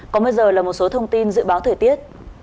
còn bây giờ là một số thông tin dự báo thời tiết